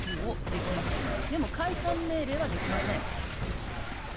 でも解散命令はできません。